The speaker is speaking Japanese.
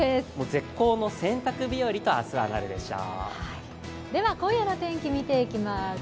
絶好の洗濯日和と明日はなるでしょう。